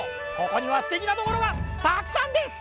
ここにはすてきなところがたくさんです！